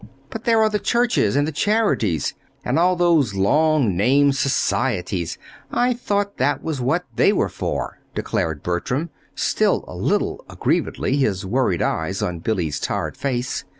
"But there are the churches and the charities, and all those long named Societies I thought that was what they were for," declared Bertram, still a little aggrievedly, his worried eyes on Billy's tired face.